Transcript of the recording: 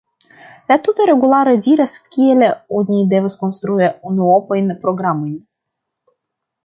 La tuta regularo diras, kiel oni devas konstrui unuopajn programojn.